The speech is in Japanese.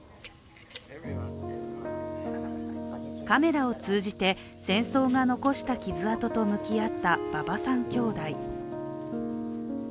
カメラを通じて戦争が残した傷痕と向き合った馬場さん兄弟。